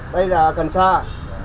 đây là cần sao